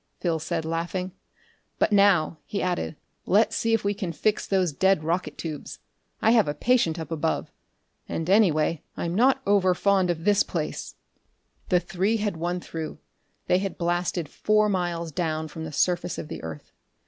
Phil said, laughing. "But now," he added, "let's see if we can fix those dead rocket tubes. I have a patient up above and, anyway, I'm not over fond of this place!" The three had won through. They had blasted four miles down from the surface of the earth.